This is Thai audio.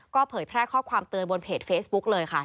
เผยแพร่ข้อความเตือนบนเพจเฟซบุ๊กเลยค่ะ